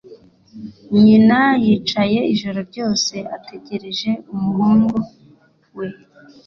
Nyina yicaye ijoro ryose ategereje umuhungu we.